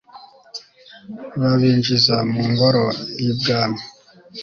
babinjiza mu ngoro y'ibwami